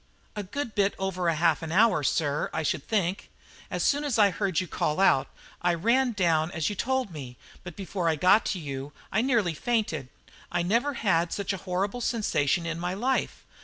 "A good bit over half an hour, sir, I should think. As soon as I heard you call out I ran down as you told me, but before I got to you I nearly fainted. I never had such a horrible sensation in my life.